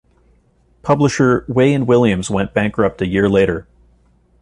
Publisher Way and Williams went bankrupt a year later.